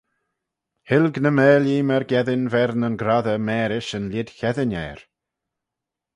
Hilg ny maarlee myrgeddin v'er nyn grossey mârish yn lhied cheddin er.